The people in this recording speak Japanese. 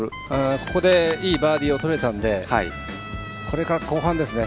ここでいいバーディーをとれたのでこれから後半ですね。